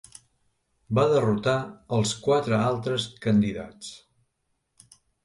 Va derrotar els quatre altres candidats.